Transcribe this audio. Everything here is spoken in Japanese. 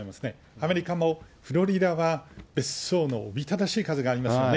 アメリカも、フロリダは、別荘もおびただしい数ありますね。